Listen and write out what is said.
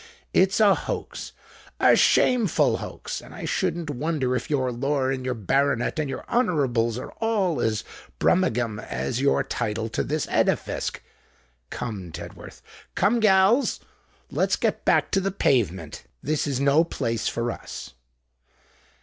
It's a hoax—a shameful hoax! And I shouldn't wonder if your Lord and your Baronet and your Honourables are all as Brummagem as your title to this edifisk. Come, Tedworth—come, gals: let's get back to the Pavement. This is no place for us."